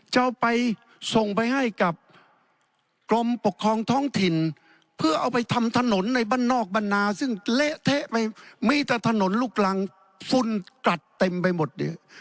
จะเอาไปส่งไปให้กับกรมปกครองท้องถิ่นเพื่อเอาไปทำถนนในบ้านนอกบ้านนาซึ่งเละเทะไปมีแต่ถนนลูกรังฝุ่นกลัดเต็มไปหมดเนี่ย